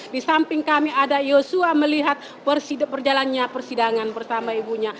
di samping kami ada yosua melihat perjalanan bersama ibunya